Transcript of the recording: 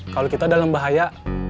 kalau kita dalam bahaya